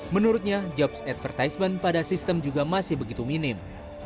menurutnya jobs advertisment pada sistem juga masih begitu minim